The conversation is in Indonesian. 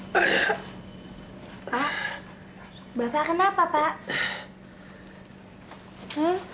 pak bapak kenapa pak